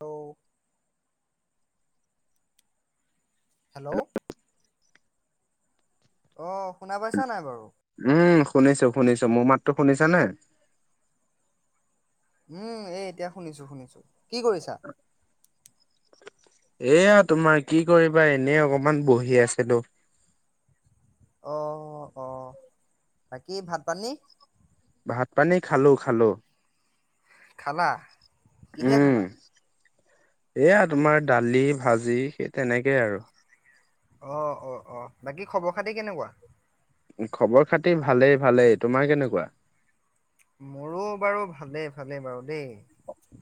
ত hello? অ, শুনা পাইছা নাই বাৰু? উম শুনিছো, শুনিছো মোৰ মাত টো শুনিছানে। উম, এই এতিয়া শুনিছো শুনিছো কি কৰিছা? এয়া তোমাৰ কি কৰিবা এনে অকমান বহি আছিলো। অ, আহ বাকী ভাত, পানী? ভাত, পানী খালো, খালো। খালা কিহে উম খালা? এয়া তোমাৰ দালি, ভাজি সেই তেনেকেই আৰু- অ', অ', অ', বাকী খবৰ খাতি কেনেকুৱা? খবৰ খাতি ভালেই, ভালেই তোমাৰ কেনেকুৱা? মোৰো বাৰু ভালে, ভালে বাৰু দেই।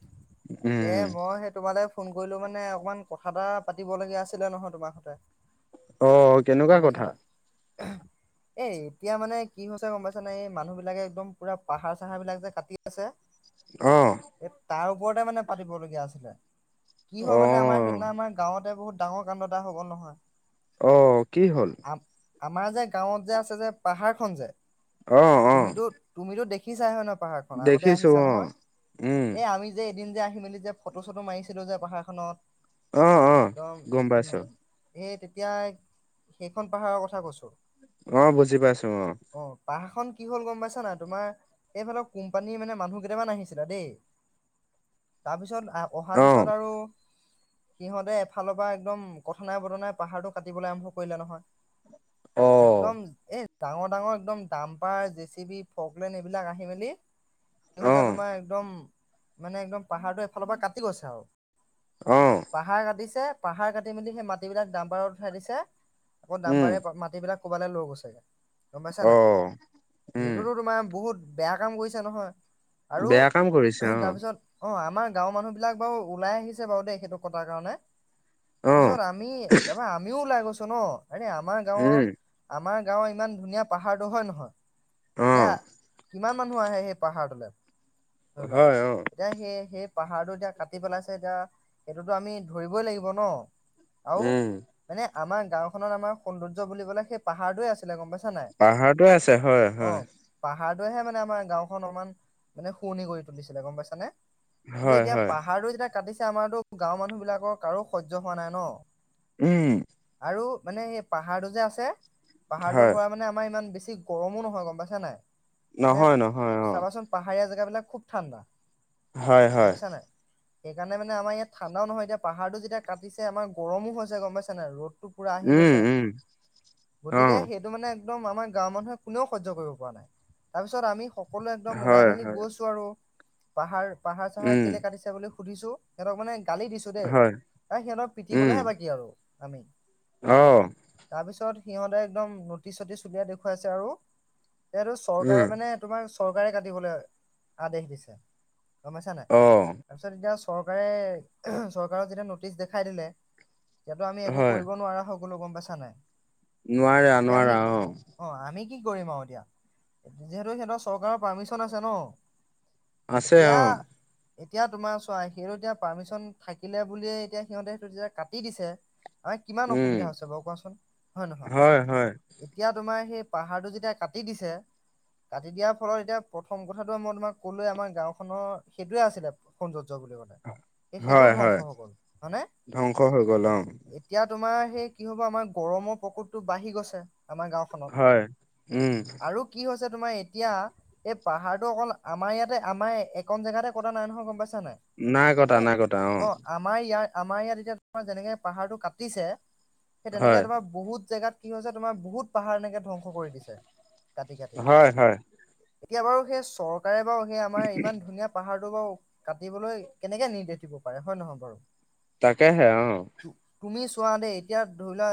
তাকে উম মই সেই তোমালে ফোন কৰিলো মানে অকমান কথা এটা পাতিব লগীয়া আছিলে নহয়, তোমাৰ হতে- অ, কেনেকুৱা কথা। এ, এতিয়া মানে কি হৈছে গম পাইছ নে এই মানুহ বিলাকে একদম পুৰা- পাহাৰ, চাহাৰ বিলাক যে কাটি আছে। আহ। এই তাৰ ওপৰতে মানে পাতিবলগীয়া আছিলে কি হয় অ মানে আমাৰ সেইদিনা আমাৰ গাঁৱত বহুত ডাঙৰ কাণ্ড এটা হ'ল নহয়। অ, কি হ'ল? আম আমাৰ যে গাঁৱত যে, আছে যে, পাহাৰ খন যে, অ অ তুমিতো, তুমিতো দেখিছাই হয়, ন। পাহাৰ খন আগতে দেখিছো আহিছা অ নহয়, উম এই আমি যে এদিন যে আহি মেলি যে ফটো চটো মাৰিছিলো যে পাহাৰখনত অ', অ', গম পাইছো। সেই তেতিয়া সেইখন পাহাৰৰ কথা কৈছো। অ, বুজি পাইছো অ'। পাহাৰ খন কি হ'ল গম পাইছা না, তোমাৰ? এইফালৰ কোম্পানী মানে মানুহ কেইটামান আহিছিলা দেই তাৰপিছত অহাৰ অ পিছত আৰু সিহঁতে এফালৰ পৰা একদম কথনাই বথনাই পাহাৰটো কাটিবলৈ আৰম্ভ কৰিলে নহয়। অ একদম অ এ, ডাঙৰ, ডাঙৰ একদম দাম্পাৰ জে চি বি ফকলে নে বিলাক আহি মেলি স, অ হৈছে তোমাৰ একদম মানে একদম পাহাৰটো এফালৰ পৰা কাটি গৈছে আৰু অ পাহাৰ কাটিছে। পাহাৰ কাটি, মেলি সেই মাটিবিলাক দামবাৰত উঠাই দিছে। আকৌ উম দামবাৰে মাটিবিলাক ক'বালে লৈ গৈছেগে গম পাইছা অ নাই, উম সেইটোতো তোমাৰ বহুত বেয়া কাম কৰিছো নহয় আৰু বেয়া কাম কৰিছে অ তাৰপিছত অ'। আমাৰ গাঁৱৰ মানুহ বিলাক বাৰু ওলাই আহিছে বাৰু দেই সেইটো কটাৰ কাৰণে অ তাৰপিছত আমি তাৰপা আমিও ওলাই গৈছো ন, এনে আমাৰ গাঁৱত উম আমাৰ গাঁও ইমান ধুনীয়া পাহাৰটো হয়, নহয়। অ এতিয়া কিমান মানুহ আহে সেই পাহাৰটোলৈ ধৰি লোৱা হয় অ এতিয়া সেই, সেই পাহাৰটো এতিয়া কাটি পেলাইছে। এতিয়া সেইটোতো আমি ধৰিবই লাগিব, ন। আৰু উম মানে আমাৰ গাওখনত আমাৰ সৌন্দৰ্য বুলিবলে সেই পাহাৰটোয়ে আছিলে গম পাইছ। পাহাৰটোৱে আছে হয়, হয়। সেয়েহে মানে আমাৰ গাওখন অলমান মানে শুৱুৰনি কৰি তুলিছিলে গম পাইছা নে। কিন্তু হয় এতিয়া হয় পাহাৰটো যেতিয়া কাটিছে আমাৰতো গাঁওৰ মানুহ বিলাকৰ কাৰো শৈয্য হোৱা নাই, ন। উম। আৰু মানে এই পাহাৰটো যে আছে, পাহাৰটোৰ হয় পৰা মানে আমাৰ ইমান বেছি গৰমো নহয় গম পাইছা নাই নে, নহয় নহয় অ চাবাচোন পাহাৰীয়া জেগাবলাক খুব ঠাণ্ডা। হয়, গম হয়। পাইছা নাই সেইকাৰণে মানে আমাৰ ইয়াত ঠাণ্ডাও নহয়। এতিয়া পাহাৰটো যেতিয়া কাটিছে আমাৰ গৰমো হৈছে গম পাইছা নে ৰ'দ পুৰা আহি উম গৈছে, উম অ গতিকে, সেইটো মানে একদম আমাৰ গাঁওৰ মানুহে কোনেও সহ্য কৰিব পৰা নাই। তাৰ পিছত আমি সকলোৱে একদম ওলাই হয় মেলি হয় গৈছো আৰু পাহাৰ, পাহাৰ-চাহাৰ উম কেলে কাটিছে বুলি সুধিছো সিহঁতক মানে গালি দিছো দেই হয় ত, সিহঁতক উম পিটিবলৈহে বাকী আৰু আমি। অ সকলোৱে তাৰপিছত সিহঁতে একদম নটিচ-চতিচ উলিয়াই দেখুৱাইছে আৰু সি উম চৰকাৰে মানে তোমাৰ চৰকাৰে কাটিবলৈ আদেশ দিছে। গম পাইছা নে, নাই, অ তাৰপিছত এতিয়া চৰকাৰে চৰকাৰৰ যেতিয়া নটিচ দেখাই দিলে, তেতিয়াতো আমি একো হয় কৰিব নোৱাৰা হক। কনো গম পাইছা নাই। নোৱাৰা, এতিয়া আমি নোৱাৰা অ'। কি কৰিম আৰু এতিয়া যিহেতু সিহতৰ চৰকাৰৰ পাৰ্মিচন আছে ন। আছে, এতিয়া অ'। এতিয়া তোমাৰ চোৱা সেইটো এতিয়া পাৰ্মিচন থাকিলে, বুলিয়ে এতিয়া সিহঁতে, সেইটো যেতিয়া কাটি দিছে। আ, কিমান উম অসুবিধা হৈছে, বাৰু কোৱাচোন হয়, নহয়। হয় হয় এতিয়া তোমাৰ সেই পাহাৰটো যেতিয়া কাটি দিছে। কাটি দিয়াৰ ফলত এতিয়া প্ৰথম কথাটো মই তোমাক ক'লোৱে আমাৰ গাঁওখনৰ সেইটোৱে আছিলে, সন্দো ৰ্য্য, বুলিবলে এ, সেইটোও হয় হয় ধ্বংস হব মানে ধ্বংস হৈ গ'ল অ এতিয়া তোমাৰ সে, কি হ'ব আমাৰ গৰমৰ প্ৰকোপটো বাঢ়ি গৈছে। আমাৰ গাওখনত হয় উম আৰু কি হৈছে, তোমাৰ এতিয়া এই পাহাৰটো অকল আমাৰ ইয়াতে আমাৰ একন জাগাতে কতা নাই, নহয়, গম পাইছা। নে, নাই, এ, অ, আমাৰ ইয়াত আমাৰ ইয়াত এতিয়া তোমাৰ যেনেকে পাহাৰটো কাটিছে, সেই তেনেকে হয় তোমাৰ বহুত জেগাত কি হৈছে, তোমাৰ বহুত পাহাৰ এনেকে ধ্বংস কৰি দিছে। কাটি কাটি হয়, হয়। এতিয়া বাৰু সেই চৰকাৰে বাৰু সেই আমাৰ ইমান ধুনীয়া পাহাৰটো বাৰু কাটিবলৈ কেনেকে নিৰ্দেশ দিব পাৰে হয়, নহয়, বাৰু। তাকে, হে, অ'। তুমি চোৱা দেই এতিয়া ধৰি লোৱা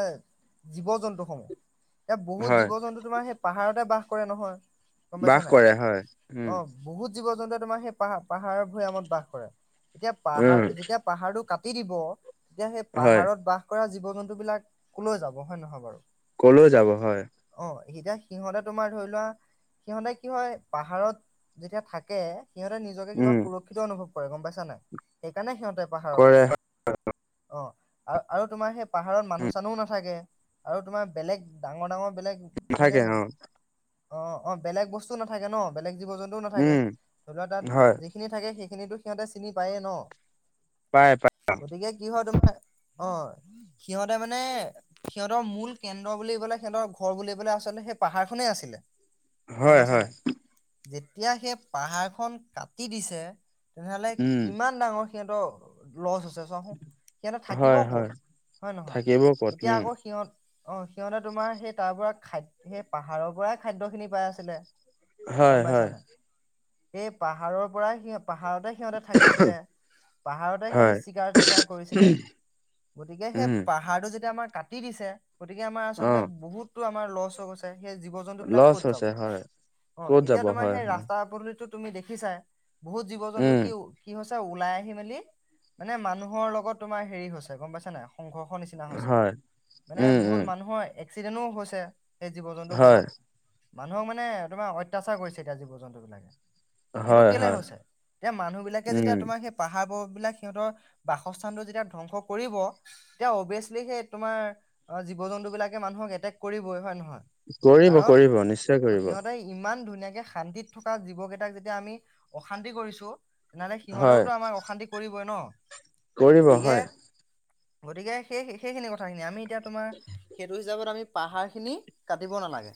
জীৱ, জন্তুসমূহ এতিয়া বহুত হয় জীৱ, জন্তু তোমাৰ সেই পাহাৰতে বাস কৰে নহয় গম পাইছা বাস নাই? কৰে হয় অ উম, বহুত জীৱ জন্তুৱে তোমাৰ সেই পাহাৰ পাহাৰ ভৈয়ামত বাস কৰে, এতিয়া উম পাহাৰ যেতিয়া পাহাৰটো কাটি দিব তেতিয়া সেই হয় পাহাৰত বাস কৰা জীৱ জন্তু বিলাক কলৈ যাব হয় নহয় বাৰু। ক'লৈ যাব হয়। অ এতিয়া সিহঁতে তোমাৰ ধৰি লোৱা সিহঁতে কি হয় পাহাৰত যেতিয়া থাকে সিহঁতে নিজকে কিবা উম সুৰক্ষিত অনুভৱ কৰে গম পাইছা নাই, সেইকাৰণে সিহঁতে পাহাৰত কৰে থাকে অ, আৰু আৰু তোমাৰ সেই পাহাৰত মানুহ চানু নাথাকে আৰু তোমাৰ বেলেগ ডাঙৰ ডাঙৰ বেলেগ নাথাকে মানে অ', অ', অ, বেলেগ বস্তুও নাথাকে ন' বেলেগ জীৱ জন্তুও নাথাকে উম ধৰি লোৱা তাত হয় যিখিনি থাকে সেই সেই খিনিটো সিহঁতে চিনি পায়েই ন' পায় পায় গতিকে কি হয় তোমাৰ অ', সিহঁতে মানে সিহঁতৰ মূল কেন্দ্ৰ বুলিবলে সিহঁতৰ ঘৰ বুলিবলে আচলতে সেই পাহাৰ খনে আছিলে। গম হয়, পাইছা হয়, নাই যেতিয়া সেই পাহাৰ খন কাটি দিছে তেনেহলে উম কিমান ডাঙৰ সিহহতৰ লছ হৈছে। সিহঁতে থাকিব হয় ক'ত, হয় হয় থাকিব ক'ত নহয় এতিয়া উম আকৌ সিহঁত অ', সিহঁতে তোমাৰ সেই তাৰ পৰা খাদ সেই পাহাৰৰ পৰাই খাদ্য খিনি পাই আছিলে। গম হয়, পাইছা হয়, নাই এই পাহাৰৰ পৰা সেই পাহাৰতে সিহঁতে থাকিছিলে পাহাৰতে সিহঁতে হয় চিকাৰ টিকাৰ কৰিছিলে। গতিকে সেই উম পাহাৰটো যেতিয়া আমাৰ কাটি দিছে গতিকে আমাৰ অ আচলতে বহুতো আমাৰ লচ হৈ গৈছে। সেই জীৱ জন্তু বিলাক লছ ক'ত যাব হৈছে হয় অ, ক'ত এতিয়া যাব তোমাৰ হয় সেই হয় ৰাস্তা পদূলিত তুমি দেখিছাই বহুত জীৱ জন্তু উম কি কি হৈছে ওলাই আহি মেলি মানে মানুহৰ লগত তোমাৰ হেৰি হৈছে গম পাইছা নাই? সংঘৰ্ষ নিচিনা হৈছে, হয় মানে উম বহুত উম মানুহৰ এক্সিডেন্টো হৈছে। এই জীৱ জন্তুৰ হয় ফলত, মানুহক মানে তোমাৰ অত্যাচাৰ কৰিছে এতিয়া জীৱ জন্তু বিলাকে। সেইটো হয় কেলে হয় হৈছে, এতিয়া মানুহ বিলাকে যেতিয়া উম তোমাৰ সেই পাহাৰবোৰ বিলাক সিহঁতৰ বাসস্থানটো যেতিয়া ধ্বংস কৰিব তেতিয়া অভিয়াচলি সেই তোমাৰ জীৱ জন্তুবিলাকে মানুহক এটেক কৰিবই হয় নহয়? কৰিব, কাৰণ কৰিব নিশ্চয় কৰিব। এই শান্তিত থকা জীৱ কেইটাক যেতিয়া আমি অশান্তি কৰিছো তেনেহলে হয় সিহঁতেওতো আমাক অশান্তি কৰিবই ন? কৰিব গতিকে হয়, গতিকে সেই সেইখিনি কথাখিনি আমি এতিয়া তোমাৰ সেইটো হিচাপত আমি পাহাৰ খিনি কাটিব নালাগে,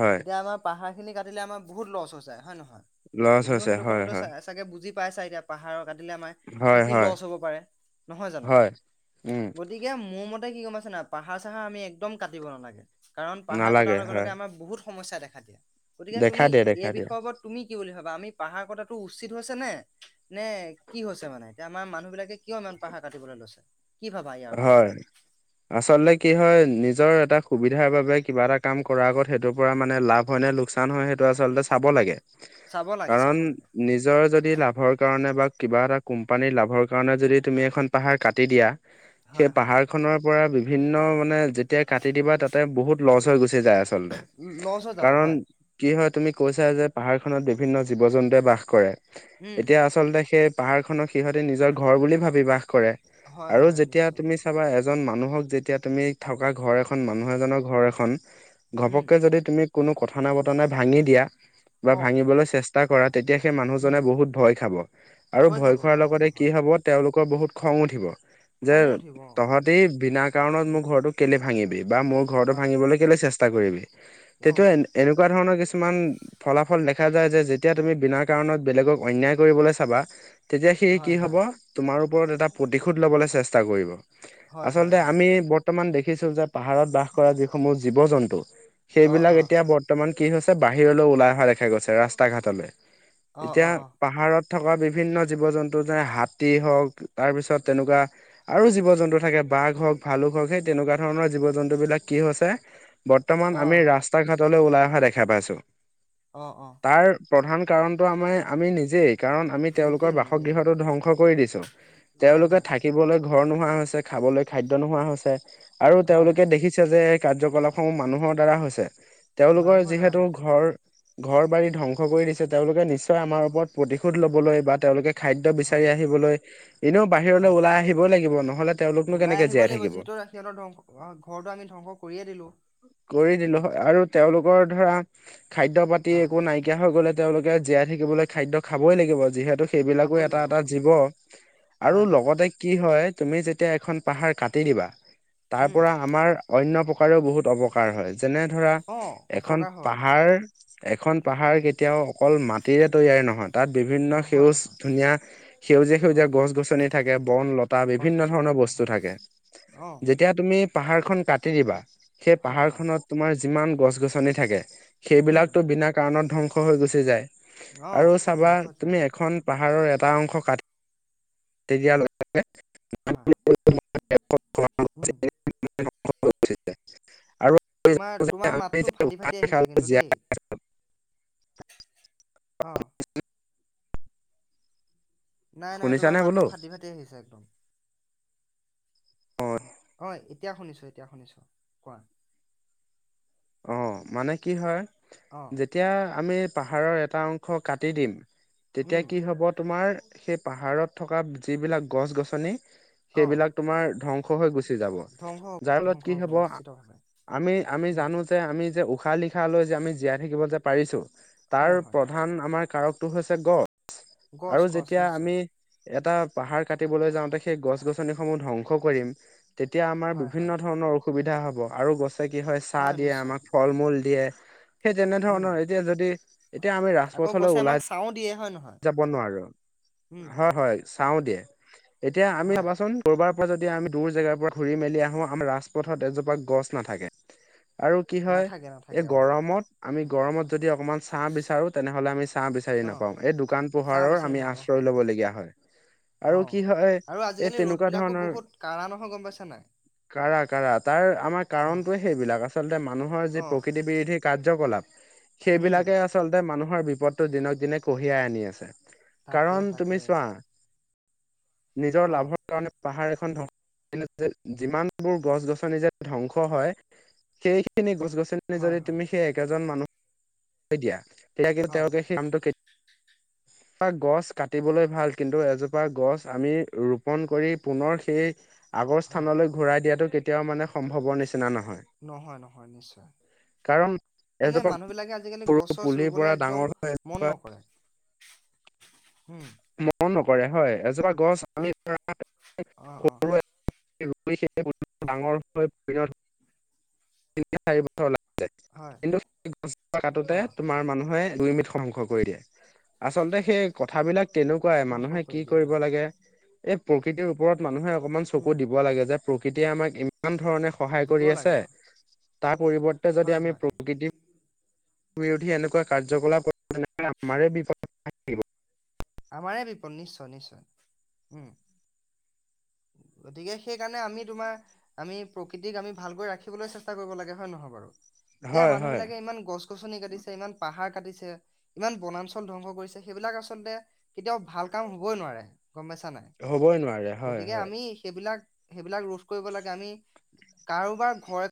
হয় এতিয়া আমাৰ পাহাৰ খিনি কাটিলে আমাৰ বহুত লছ যায় হয় নে নহয়? লছ তুমিও হৈছে সেইটো হয় কথাটো হয় চাগে বুজি পাইছা এতিয়া পাহাৰত কাটিলে আমাৰ কি হয় কি হয় লছ হব পাৰে, নহয় জানো হয় উম গতিকে মোৰ মতে তে কি গমাইছে না পাহাৰ চাহাৰ আমি একদম কাটিব নালাগে কাৰণ পাহাৰ কটাৰ নালাগে লগে লগে হয় আমাৰ বহুত সমস্যা দেখা দিয়া গতিকে দেখা তুমি দিয়ে এই দেখা দিয়ে বিষয়ৰ ওপৰত তুমি কি বুলি ভাব? বা আমি পাহাৰ কটাটো উচিত হৈছে নে, নে কি হৈছে মানে, এতিয়া আমাৰ মানুহ বিলাকে কিয় ইমান পাহাৰ ক কাটিবলৈ লৈছে কি ভাবা ইয়াৰ ওপৰত হয়, তুমি আচলতে কি হয় নিজৰ এটা সুবিধাৰ বাবে কিবা এটা কাম কৰা আগত, সেইটোৰ পৰা মানে লাভ হয় নে লোকচান হয় সেইটো আচলতে চাব লাগে। চাব লাগে কাৰণ চাব লাগে নিজৰ যদি লাভৰ কাৰণে বা কিবা এটা কোম্পানীৰ লাভৰ কাৰণে যদি তুমি এখন পাহাৰ কাটি দিয়া। সেই হয় হয় পাহাৰ খনৰ পৰা বিভিন্ন মানে যেতিয়া কাটি দিবা তাতে বহুত লছ হৈ গুচি যায় আচলতে, লছ হৈ যাব কাৰণ হয় কি হয় তুমি কৈছা যে পাহাৰ খনত বিভিন্ন জীৱ জন্তুৱে বাস কৰে উম এতিয়া আচলতে সেই পাহাৰ খনৰ সিহঁতে নিজৰ ঘৰ বুলি ভাবি বাস কৰে হয় আৰু হয় যেতিয়া নিশ্চয় তুমি চাবা মানুহক যেতিয়া তুমি থকা ঘৰ এখন মানুহ এজনৰ ঘৰ এখন উম ঘপকে যদি তুমি কোনো কথা নাই বতৰা নাই ভাঙি দিয়া বা অ ভাঙিবলৈ চেষ্টা কৰা তেতিয়া সেই উম মানুহজনে বহুত ভয় খাব আৰু ভয় খাব খোৱাৰ খাব লগতে কি হয় হব তেওঁওলোকৰ বহুত খং উঠিব যে খঙো উঠিব অ তহঁতি বিনা কাৰণত উম মোৰ ঘৰতো কেলেই ভাঙিবি বা মোৰ ঘৰতো হয় হয় ভাঙিবলৈ কেলেই চেষ্টা কৰিবি অ তেতিয়া এ এনেকুৱা ধৰণৰ কিছু মান ফলাফল দেখা যায় যে যেতিয়া তুমি বিনা কাৰণত বেলেগক অন্যায় কৰিবলৈ চাবা তেতিয়া সি কি হয় হব হয় তোমাৰ ওপৰত এটা প্ৰতিশোধ লবলৈ চেষ্টা কৰিব হয় হয় আচলতে হয় আমি বৰ্তমান দেখিছো যে পাহাৰত বাস কৰা যিসমূহ জীৱ জন্তু অ সেইবিলাক অ এতিয়া বৰ্তমান কি হৈছে বাহিৰলৈ ওলাই অহা দেখা গৈছে ৰাস্তা ঘাটলৈ অ অ এতিয়া পাহাৰত থকা বিভিন্ন জীৱ জন্তু যে হাতী হওক তাৰ পিছত তেনেকুৱা আৰু জীৱ জন্তু থাকে বাঘ হওক ভালুক হওক সেই তেনেকুৱা ধৰণৰ জীৱ জন্তু বিলাক কি হৈছে বৰ্তমান অ আমি ৰাস্তা ঘাটলৈ ওলাই অহা দেখা পাইছো অ অ তাৰ প্ৰধান কাৰণটো আমাৰ আমি নিজেই কাৰণ আমি নিজে তেওঁলোকৰ নিজে বাসগৃহটো হয় ধ্বংস কৰি দিছো হয় তেওঁলোকে হয় থাকিবলৈ ঘৰ নোহোৱা হৈছে খাবলৈ খাদ্য নোহোৱা হৈছে আৰু হয় তেওঁলোকে দেখিছে যে কাৰ্যকলাপসমূহ মানুহৰ দ্বাৰা হৈছে তেওঁলোকৰ মানুহৰ দ্বাৰা যিহেতু হৈছে ঘৰ হয় ঘৰ বাৰী ধ্বংস কৰি দিছে তেওঁলোকে নিশ্চয় আমাৰ ওপৰত প্ৰতিশোধ ল'বলৈ বা তেওঁলোকে খাদ্য বিচাৰি হয় আহিবলৈ এনেও অ বাহিৰলৈ ওলাই আহিবই লাগিব নহ'লে তেওঁলোকনো ওলাই কেনেকে আহিবই জীয়াই লাগিব থাকিব। যিহেতু সিহঁতৰ ধ্বংস ঘৰটো আমি ধ্বংস কৰিয়ে দিলো কৰি দিলো উম হয় আৰু তেওঁলোকৰ ধৰা খাদ্য পাতি অ একো নাইকিয়া হৈ গ'লে তেওঁলোকে জীয়াই থাকিবলৈ খাদ্য খাবই লাগিব যিহেতু সেইবিলাকো খাবই এটা লাগিব এটা খাবই জীৱ লাগিব হয় আৰু হয় লগতে কি হয় তুমি যেতিয়া এখন পাহাৰ কাটি দিবা তাৰ উম পৰা আমাৰ অণ্য প্ৰকাৰেও বহুত অৱকাৰ হয় যেনে ধৰা অ এখন অপকাৰ হয় হয় পাহাৰ এখন পাহাৰ উম কেতিয়াও অকল মাত তিৰে তৈয়াৰ নহয় তাত বিভিন্ন নহয় সেউজ নহয় ধুনীয়া সেউজীয়া অ সেউজীয়া গছ গছনি থাকে বন লতা গছ বিভিন্ন গছনি ধৰণৰ বস্তু হয় থাকে অ যেতিয়া তুমি পাহাৰখন কাটি দিবা সেই হয় হয় পাহাৰখনত তোমাৰ যিমান গছ গছনি থাকে উম সেইবিলাকতো বিনা কাৰণত ধ্বংস হৈ গুচি যায় অ আৰু চাবা ধ্বংস যায় তুমি হয় এখন পাহাৰৰ এটা এটা অংশ কাটি হয়, তেতিয় উম আৰু তোমাৰ তোমাৰ আমি মাতটো ফাটি ফাটি আহিছে কিন্তু জীয়াই দেই অ নাই নাই তোমাৰ শুনিছানে মাতটো বোলো ফাটি ফাটি আহিছে একদম হয় অ এতিয়া শুনিছো এতিয়া শুনিছো কোৱা অ মানে কি হয় অ, যেতিয়া আমি পাহাৰৰ এটা অংশ কাটি দিম তেতিয়া উম, কি হব তোমাৰ সেই পাহাৰত থকা যিবিলাক গছ গছনি অ, সেইবিলাক তোমাৰ ধ্বংস হৈ গুচি ধ্বংস হ'ব যাৰ ফলত ধ্বংস কি হব নিশ্চিতভাৱে। আমি আমি উম, জানো যে আমি যে উশাহ লিশ লৈ যে আমি জীয়াই থাকিব যে পাৰিছো তাৰ হয় হয়। প্ৰধান আমাৰ কাৰকটো হৈছে গছ গছ আৰু গছ যেতিয়া নিশ্চয় আমি এটা পাহাৰ কাটিবলৈ যাওঁতে সেই গছ গছনিসমূহ ধ্বংস কৰিম তেতিয়া আমাৰ হয় বিভিন্ন হয় ধৰণৰ অসুবিধা হ'ব আৰু গছে কি হয় চাহ দিয়ে আমাক ফল মূল দিয়ে সেই তেনে উম। ধৰণৰ এতিয়া যদি এতিয়া আমি আকৌ ৰাজপথলৈ গছে ওলাই আমাক ছাঁও দিয়ে হয় নহয় যাব নোৱাৰো উম, হয় হয় চাওঁ দিয়ে এতিয়া আমি হয় ভাবাচোন কৰবাৰ পৰা যদি আমি দূৰ জেগাৰ পৰা ঘুৰি মেলি আহো আমাৰ ৰাজপথত এজোপা গছ নাথাকে আৰু কি হয় নাথাকে এই নাথাকে অ, গৰমত আমি উম, গৰমত যদি অকমান ছাঁ বিচাৰো তেনেহ'লে আমি ছাঁ বিচাৰি অ, নাপাওঁ এই দোকান ছাঁ পোহাৰৰ বিচাৰি আমি নাপাওঁ আশ্ৰয় হয় ল'বলগীয়া হয়। আৰু অ, কি হয় আৰু এই আজিকালি ৰ'দ তেনেকুৱা বিলাকো ধৰণৰ। বহুত কাঢ়া নহয় গম পাইছা নাই কাৰা কাৰা তাৰ আমাৰ অ কাৰণটোৱে সেইবিলাক আছ এ মানুহৰ যি অ। প্ৰকৃতি বিৰোধী কাৰ্যকলাপ, উম সেইবিলাকে আচলতে মা মানুহৰ বিপদটো দিনক দিনে কঢ়িয়াই আনি আছে, তাকে কাৰণ তাকে তুমি চোৱা। নিজৰ অ লাভৰ কাৰণে পাহাৰ এখন ধ [unintelligible] যিমানবোৰ গছ গছনি যে ধ্বংস হয়, সেইখিনি গছ গছ হয় যদি হয় তুমি সেই একেজন মানুহকে দিয়া তেতিয়া কিন্তু হয় তেওঁলোকে সেই কামটো এজোপা গছ কাটিবলৈ ভাল কিন্তু এজোপা গছ আমি ৰোপন কৰি পুনৰ সেই আগৰ হয় স্থানলৈ ঘূৰাই দিয়াটো কেতিয়াও মানে সম্ভৱৰ নিচিনা নহয় নহয় নহয় নিশ্চয়। কাৰণ মানে এজোপা মানুহবিলাকে আজিকালি সৰু গছ চছ পুলিৰ পৰা ৰুবলৈ একদম ডাঙৰ হৈ মন এজোপা নকৰে। উম। মৰম নকৰে হয় এজোপা গছ আমি ধৰা অ', অ'। [unintelligible] হয় কিন্তু গছ এটা কাটোতে অ তোমাৰ মানুহে দুই [unintelligible] কৰি দিয়ে আচলতে সেই কথাবিলাক তেনেকুৱাই ধ্বংস মানুহে কি কৰি দিয়া কৰিব হয় লাগে, এই প্ৰকৃতিৰ ওপৰত মানুহে অকমান চকু উম দিব লাগে যে প্ৰকৃতিয়ে আমাক ইমান ধৰণে সহায় দিব কৰি লাগে আছে, অ তাত পৰিৱৰ্তে যদি হয় আমি হয় প্ৰকৃতি বিৰোধী এনেকুৱা কাৰ্যকলাপ তেনে আমাৰে [unintelligible] [unintelligible] নিশ্চয় নিশ্চয়, উম। গতিকে সেইকাৰণে আমি তোমাৰ, আমি প্ৰকৃতিক আমি ভালকৈ ৰাখিবলৈ চেষ্টা কৰিব লাগে হয় নহয় বাৰু। এতিয়া হয় হয় মানুহবিলাকে ইমান গছ গছনি কাটিছে ইমান পাহাৰ কাটিছে। [unintelligible] ইমান বনাঞ্চল ধ্বংস কৰিছে সেইবিলাক আচলতে কেতিয়াও ভাল কাম হ'বই নোৱাৰে। গ'ম পাইছা নাই, হ'বই নোৱাৰে হয় গতিকে হয় আমি সেইবিলাক সেইবিলাক ৰোধ কৰিব লাগে আমি, কাৰোবাৰ ঘৰত